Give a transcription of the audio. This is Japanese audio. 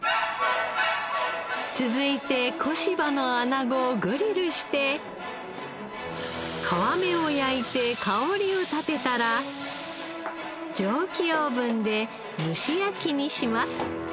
続いて小柴のアナゴをグリルして皮目を焼いて香りを立てたら蒸気オーブンで蒸し焼きにします。